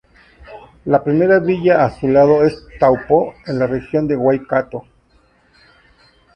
La primera villa a su lado es Taupo en la región de Waikato.